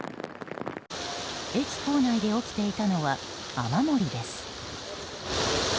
駅構内で起きていたのは雨漏りです。